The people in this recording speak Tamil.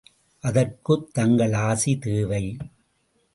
அதற்குத் தங்கள் ஆசி தேவை.